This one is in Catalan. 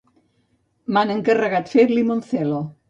m'han encarregat fer limoncello